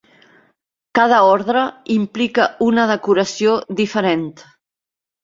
Cada ordre implica una decoració diferent.